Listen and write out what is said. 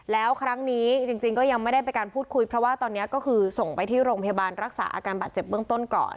แล้วครั้งนี้จริงก็ยังไม่ได้เป็นการพูดคุยเพราะว่าตอนนี้ก็คือส่งไปที่โรงพยาบาลรักษาอาการบาดเจ็บเบื้องต้นก่อน